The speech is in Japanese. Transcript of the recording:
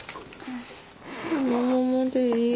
このままでいい。